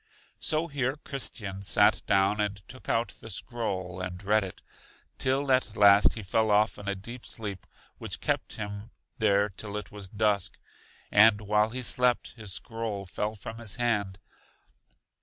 So here Christian sat down, and took out the scroll and read it, till at last he fell off in a deep sleep which kept him there till it was dusk; and while he slept his scroll fell from his hand.